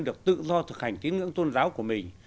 được tự do thực hành tín ngưỡng tôn giáo của mình